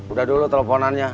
udah dulu teleponannya